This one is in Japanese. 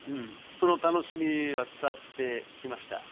その楽しみが伝わってきました。